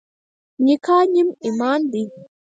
نکاح نیم ایمان دی.